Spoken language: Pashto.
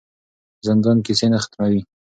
زندان کیسې نه ختموي.